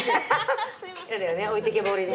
やだよね置いてけぼり。